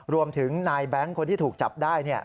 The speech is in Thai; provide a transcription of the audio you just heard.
รวมถึงนายแบงค์คนที่ถูกจับได้